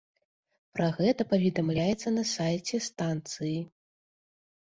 Пра гэта паведамляецца на сайце станцыі.